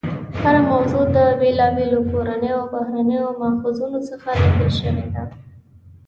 هره موضوع د بېلابېلو کورنیو او بهرنیو ماخذونو څخه لیکل شوې ده.